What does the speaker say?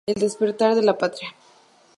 El despertar de la Patria.